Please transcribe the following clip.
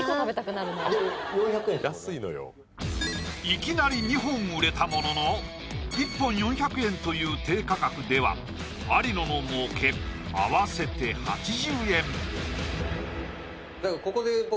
いきなり２本売れたものの１本４００円という低価格では有野の儲け合わせて８０円